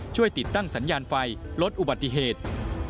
ติดตั้งสัญญาณไฟลดอุบัติเหตุ